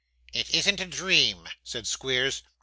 'It isn't a dream!' said Squeers.